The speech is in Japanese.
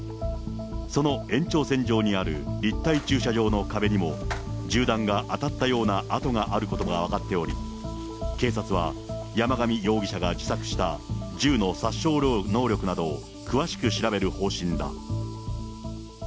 その延長線上にある立体駐車場の壁にも、銃弾が当たったような痕があることが分かっており、警察は、山上容疑者が自作した銃の殺傷能力などを詳しく調べる方針だ。